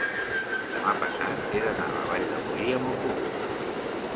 demà passat he d'anar a la Vall de Boí amb autobús.